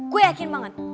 gue yakin banget